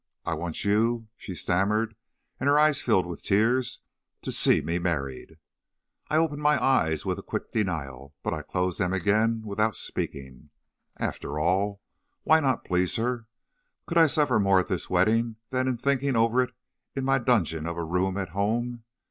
I want you,' she stammered and her eyes filled with tears, 'to see me married.' "I opened my eyes with a quick denial, but I closed them again without speaking. After all, why not please her? Could I suffer more at this wedding than in thinking over it in my dungeon of a room at home?